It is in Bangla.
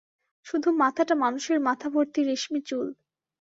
শুধুমাথাটা মানুষের মাথাভর্তি রেশমি চুল।